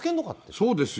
そうですよ。